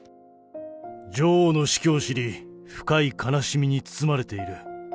女王の死去を知り、深い悲しみに包まれている。